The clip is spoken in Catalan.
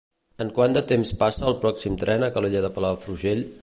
En quant de temps passa el pròxim tren a Calella de Palafrugell?